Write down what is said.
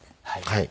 はい。